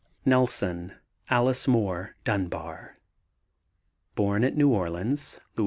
NELSON, ALICE MOORE (DUNBAR). Born at New Orleans, La.